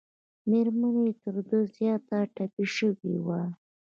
مېرمن یې تر ده زیاته ټپي شوې وه.